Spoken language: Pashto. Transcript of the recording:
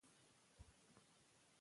حکومت د روح مثال لري.